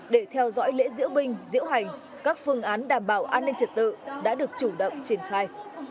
để theo dõi lễ diễu binh diễu hành các phương án đảm bảo an ninh trật tự đã được chủ động triển khai